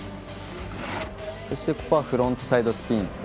そして、フロントサイドスピン。